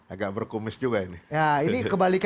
agak berkumis juga ini